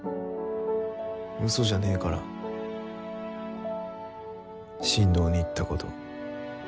うそじゃねぇから進藤に言ったこと。